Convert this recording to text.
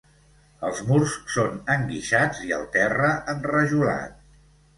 Els murs són enguixats i el terra enrajolat.